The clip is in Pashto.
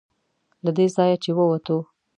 له دې ځایه چې ووتو.